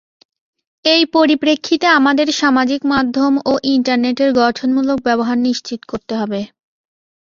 এই পরিপ্রেক্ষিতে আমাদের সামাজিক মাধ্যম ও ইন্টারনেটের গঠনমূলক ব্যবহার নিশ্চিত করতে হবে।